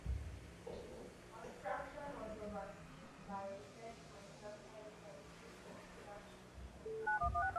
Construction was overseen by head contractor Richard Crookes Constructions.